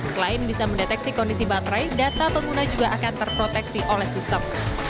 selain bisa mendeteksi kondisi baterai data pengguna juga akan terproteksi oleh sistem